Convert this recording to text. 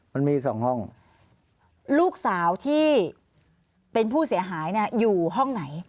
มันมีสองห้องลูกสาวที่เป็นผู้เสียหายเนี่ยอยู่ห้องไหน